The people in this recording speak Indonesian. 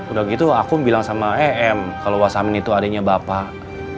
udah gitu aku bilang sama em kalo wa samin itu adenya bapak